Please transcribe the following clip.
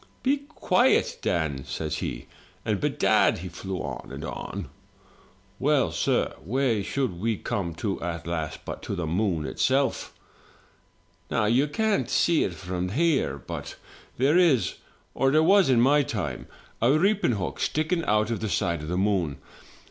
" 'Be quiet, Dan!' says he, and bedad he flew on and on. "Well, sir, where should we come to at last but to the moon itself. Now you can't see it from here, but there is, or there was in my time, a reaping hook sticking out of the side of the moon.